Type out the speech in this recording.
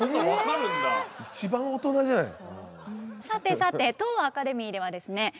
さてさて当アカデミーではですね